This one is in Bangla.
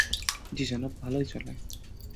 জ্বি জনাব, ভালোই চলে।